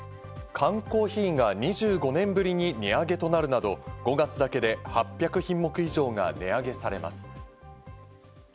缶コーヒーが２５年ぶりに値上げとなるなど、５月だけで８００品目以上が値上げされます。